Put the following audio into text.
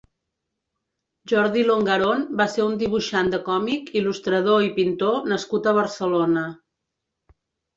Jordi Longarón va ser un dibuixant de còmic, il·lustrador i pintor nascut a Barcelona.